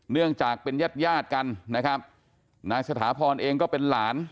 เนื่องจากเป็นญาติญาติกันนะครับนายสถาพรเองก็เป็นหลาน